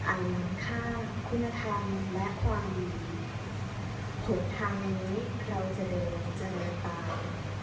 อันนั้นค่าคุณธรรมและความหดทางนี้เราจะเดินเจริญไป